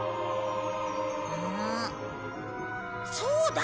そうだ